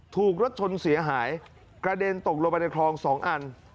ถูกรถชนเสียหายกระเด็นตกลงไปในคลอง๒อัน